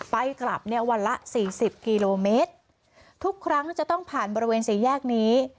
ไปกลับเนี่ยวันละสี่สิบกิโลเมตรทุกครั้งจะต้องผ่านบริเวณสี่แยกนี้